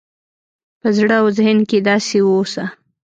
په زړه او ذهن کې داسې واوسه